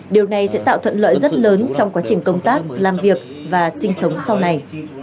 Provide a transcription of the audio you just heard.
điều này sẽ tạo thuận lợi rất lớn trong quá trình công tác làm việc và sinh sống sau này